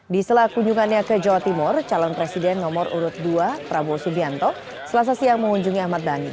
di selak kunjungannya ke jawa timur calon presiden nomor urut dua prabowo subianto selasa siang mengunjungi ahmad dhani